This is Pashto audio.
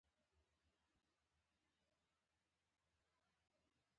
په شعور او ځواک کې له صراط المستقيم څخه انحراف د ګناهونو لړۍ پيلوي.